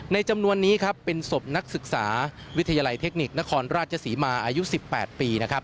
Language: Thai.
ในจำนวนนี้เป็นศพนักศึกษาวิทยาลัยเทคนิคนครราชสีมาอายุ๑๘ปี